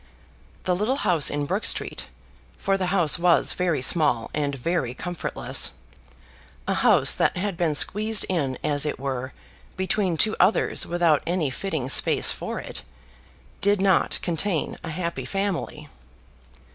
The little house in Brook Street, for the house was very small and very comfortless, a house that had been squeezed in, as it were, between two others without any fitting space for it, did not contain a happy family.